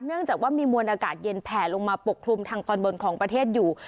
เนื่องจากว่ามีมวลอากาศเย็นแผ่ลงมาปกคลุมทางตอนบนของประเทศอยู่